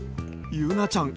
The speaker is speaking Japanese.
ゆなちゃん